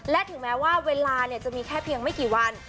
และถึงแม้ว่าเวลาจะมีแค่เพียงไม่กี่วัน